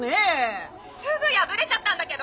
☎すぐ破れちゃったんだけど！